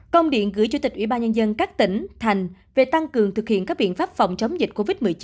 công điện gửi chủ tịch ủy ban nhân dân các tỉnh thành về tăng cường thực hiện các biện pháp phòng chống dịch covid một mươi chín